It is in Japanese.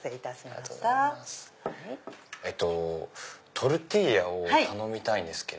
トルティーヤを頼みたいんです。